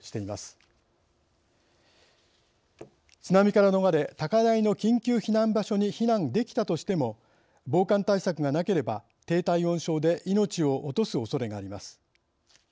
津波から逃れ高台の緊急避難場所に避難できたとしても防寒対策がなければ低体温症で命を落とすおそれがあります。